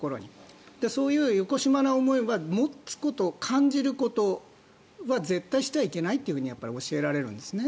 そういうよこしまな思いは持つこと、感じることは絶対してはいけないとやっぱり教えられるんですね。